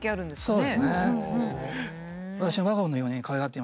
そうですね。